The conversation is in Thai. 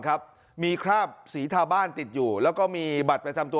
ครับมีคราบสีทาบ้านติดอยู่แล้วก็มีบัตรประจำตัว